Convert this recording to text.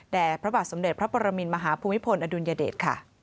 พระบาทสมเด็จพระปรมินมหาภูมิพลอดุลยเดชค่ะ